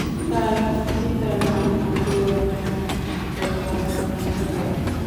তার পিতার নাম হামিদুর রহমান ও মাতার নাম সোনিয়া রহমান।